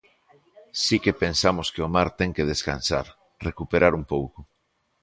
Si que pensamos que o mar ten que descansar, recuperar un pouco.